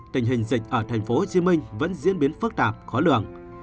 tình hình dịch ở tp hcm vẫn diễn biến phức tạp khó lường